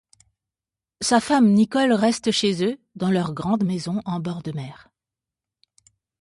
Sa femme Nicole reste chez eux, dans leur grande maison en bord de mer.